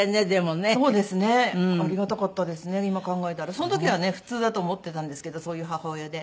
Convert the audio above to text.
その時はね普通だと思ってたんですけどそういう母親で。